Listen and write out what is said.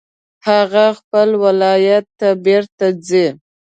هغه خپل ولایت ته بیرته ځي